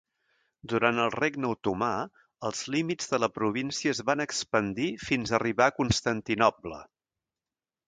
Durant el regne otomà, els límits de la província es van expandir fins arribar a Constantinoble.